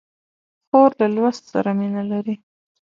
خور له لوست سره مینه لري.